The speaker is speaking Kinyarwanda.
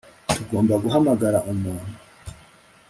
Tugomba guhamagara umuntu